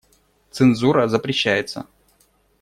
Цензура запрещается.